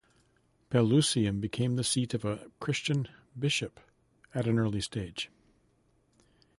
Pelusium became the seat of a Christian bishop at an early stage.